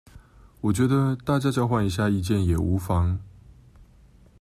我覺得大家交換一下意見也無妨